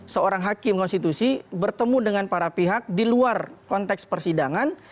seorang hakim konstitusi bertemu dengan para pihak di luar konteks persidangan